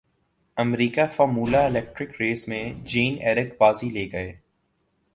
امریکہ formula electric race میں Jean Eric بازی لے گئے